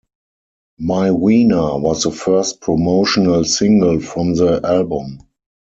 "My Wena" was the first promotional single from the album.